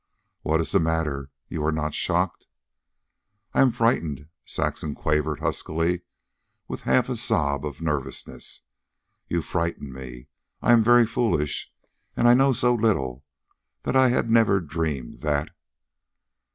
"What is the matter? You are not shocked?" "I am frightened," Saxon quavered huskily, with a half sob of nervousness. "You frighten me. I am very foolish, and I know so little, that I had never dreamed... THAT."